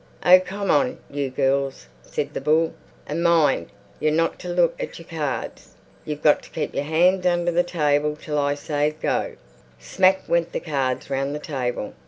"Oh, come on, you girls," said the bull. "And mind—you're not to look at your cards. You've got to keep your hands under the table till I say 'Go.'" Smack went the cards round the table.